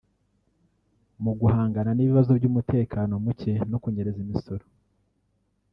Mu guhangana n’ibibazo by’umutekano muke no kunyereza imisoro